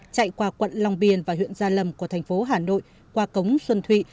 chạy qua quận long biên và huyện gia lâm của thành phố hà nội qua cống xuân thụy